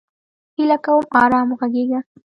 هیله کوم! ارام وغږیږه!